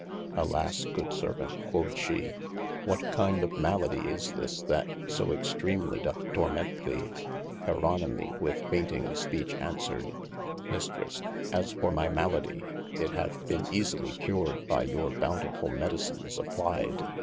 Alas good Servaunt (quod shee) what kinde of maladie is this that so extreemly doth torment thee ? Jeronimii with fainting speach answered : Mistresse as for my maladie, it hath beene easelye cured by your bountifull medicines applied.